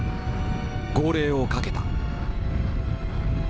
号令をかけた。